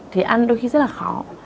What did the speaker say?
thì ăn đôi khi rất là khó